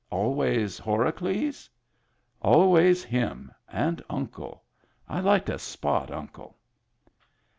" Always Horacles ?" "Always him — and Uncle. Fd like to spot Uncle."